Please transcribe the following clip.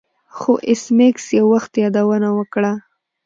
خو ایس میکس یو وخت یادونه وکړه